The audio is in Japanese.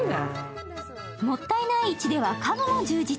もったいない市では家具も充実。